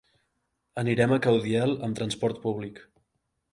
Anirem a Caudiel amb transport públic.